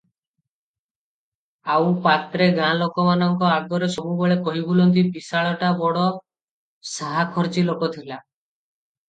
ଆଉ ପାତ୍ରେ ଗାଁ ଲୋକମାନଙ୍କ ଆଗରେ ସବୁବେଳେ କହି ବୁଲନ୍ତି, "ବିଶାଳଟା ବଡ ସାହାଖର୍ଚ୍ଚି ଲୋକ ଥିଲା ।